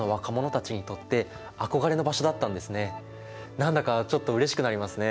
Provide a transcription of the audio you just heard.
何だかちょっとうれしくなりますね。